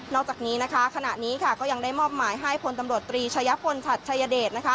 อกจากนี้นะคะขณะนี้ก็ยังได้มอบหมายให้พลตำรวจตรีชายพลฉัดชัยเดช